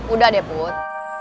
udah deh put